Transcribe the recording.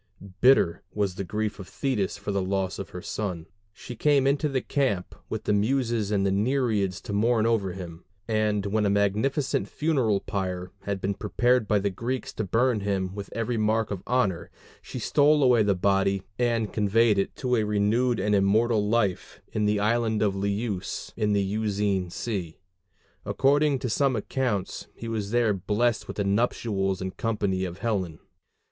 Bitter was the grief of Thetis for the loss of her son; she came into the camp with the Muses and the Nereids to mourn over him; and when a magnificent funeral pile had been prepared by the Greeks to burn him with every mark of honor, she stole away the body and conveyed it to a renewed and immortal life in the island of Leuce in the Euxine Sea. According to some accounts he was there blest with the nuptials and company of Helen.